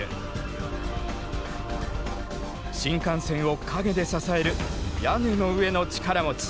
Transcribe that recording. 新幹線を陰で支える屋根の上の力持ち。